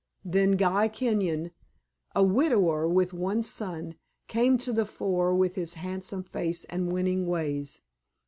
Then Guy Kenyon, a widower with one son, came to the fore with his handsome face and winning ways.